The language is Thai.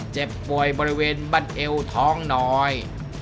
เจ็บป่วยบริเวณบันเอวท้องน้อย